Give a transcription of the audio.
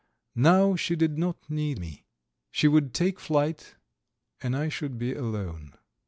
Now she did not need me. She would take flight, and I should be alone.